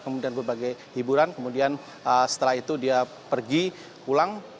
kemudian berbagai hiburan kemudian setelah itu dia pergi pulang